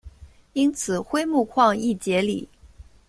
因此辉钼矿易解理。